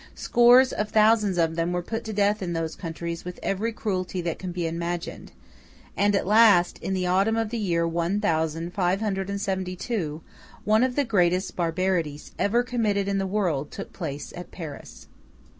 Scores of thousands of them were put to death in those countries with every cruelty that can be imagined, and at last, in the autumn of the year one thousand five hundred and seventy two, one of the greatest barbarities ever committed in the world took place at Paris.